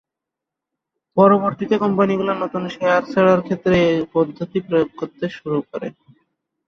পরবর্তীতে কোম্পানিগুলো নতুন শেয়ার ছাড়ার ক্ষেত্রে এ পদ্ধতি প্রয়োগ করতে শুরু করে।